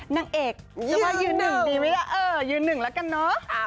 นางเอกยืนหนึ่งดีไหมล่ะเออยืนหนึ่งละกันเนอะ